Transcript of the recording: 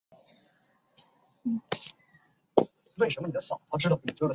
影片取材于民间故事。